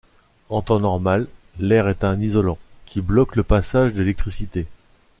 En temps normal l'air est un isolant, qui bloque le passage de l'électricité.